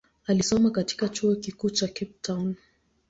Alisoma katika chuo kikuu cha Cape Town.